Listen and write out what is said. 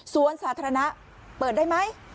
สวนสาธารณะเปิดได้ไหม